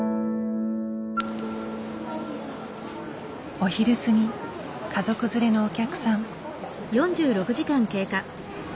お昼過ぎ家族連れのお客さん。